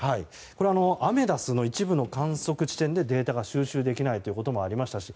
アメダスの一部の観測地点でデータが収集できないということもありましたし。